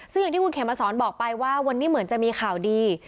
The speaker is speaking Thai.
ซึ่งอย่างที่คุณเขมสอนบอกไปว่าวันนี้เหมือนจะมีข่าวดี